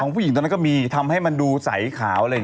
ของผู้หญิงตรงนั้นก็มีทำให้มันดูใสขาวเลย